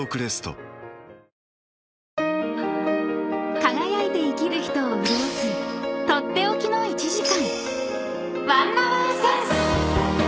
［輝いて生きる人を潤す取って置きの１時間］